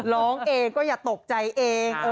ร้องเองก็อย่าตกใจเอง